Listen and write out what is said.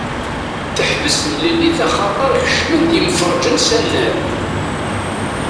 Teḥbes temilit axaṭer kecmen-d yemferrĝen s annar.